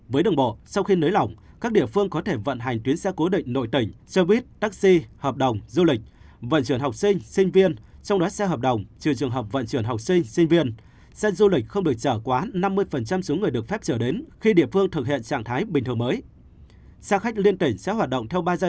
với đường bộ sau khi nới lỏng các địa phương có thể vận hành tuyến xe cố định nội tỉnh xe buýt taxi hợp đồng du lịch vận chuyển học sinh sinh viên trong đó xe hợp đồng trừ trường hợp vận chuyển học sinh sinh viên xe du lịch không được trở quá năm mươi số người được phép trở đến khi địa phương thực hiện trạng thái bình thường mới